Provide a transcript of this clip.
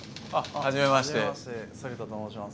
初めまして反田と申します。